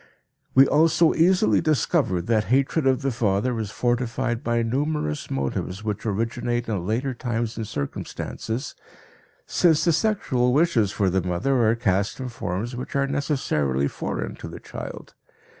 We also easily discover that hatred of the father is fortified by numerous motives which originate in later times and circumstances, since the sexual wishes for the mother are cast in forms which are necessarily foreign to the child.